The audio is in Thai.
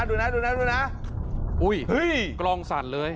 ดูนะดูนะดูนะอุ้ยเฮ้ยกล้องสั่นเลย